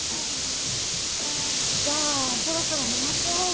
じゃあそろそろ寝ましょう。